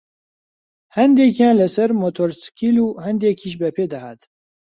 هەندێکیان لەسەر مۆتۆرسکیل و هەندێکیش بەپێ دەهاتن